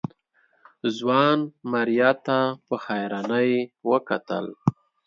ځوان ماريا ته په حيرانۍ وکتل.